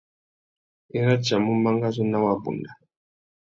I ratiamú mangazú nà wabunda.